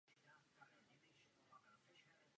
Byla vysazena i v Českém krasu.